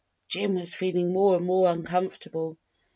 Jim was feeling more and more uncomfortable.